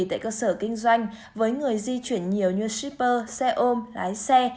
tại cơ sở kinh doanh với người di chuyển nhiều như shipper xe ôm lái xe